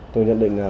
tôi nhận định là